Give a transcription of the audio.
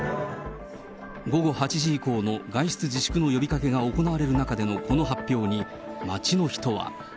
午後８時以降の外出自粛の呼びかけが行われる中でのこの発表に、街の人は。